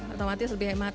otomatis lebih hemat